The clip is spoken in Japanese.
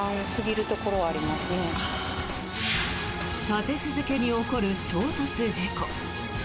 立て続けに起こる衝突事故。